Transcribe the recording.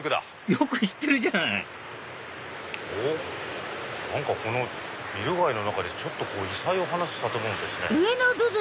よく知ってるじゃないおっ何かこのビル街の中で異彩を放つ建物ですね。